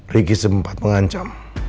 riki sempat mengancam